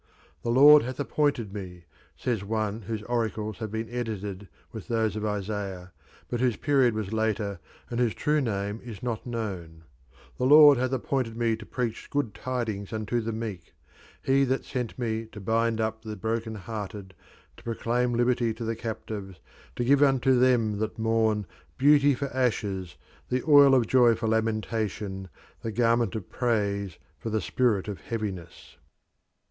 "The Lord hath appointed me," says one whose oracles have been edited with those of Isaiah, but whose period was later and whose true name is not known, "the Lord hath appointed me to preach good tidings unto the meek; he that sent me to bind up the broken hearted, to proclaim liberty to the captives, to give unto them that mourn beauty for ashes, the oil of joy for lamentation, the garment of praise for the spirit of heaviness."